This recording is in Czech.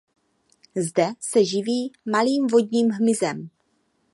Zde se živí malým vodním hmyzem.